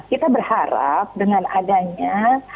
kita berharap dengan adanya